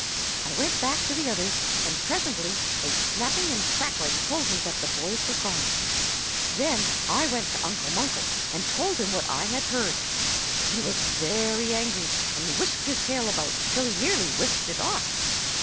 I went back to the others, and presently a snapping and crackling told me that the boys were gone. Then I went to Uncle Munkle and told him what I had heard. He was very angry, and whisked his tail about till he nearly whisked it off.